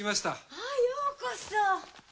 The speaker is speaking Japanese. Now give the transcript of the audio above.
あぁようこそ。